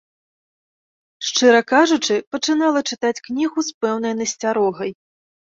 Шчыра кажучы, пачынала чытаць кнігу з пэўнай насцярогай.